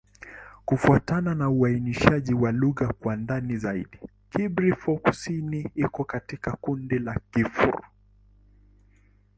Kufuatana na uainishaji wa lugha kwa ndani zaidi, Kibirifor-Kusini iko katika kundi la Kigur.